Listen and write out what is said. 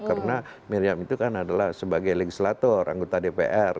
karena miriam itu kan adalah sebagai legislator anggota dpr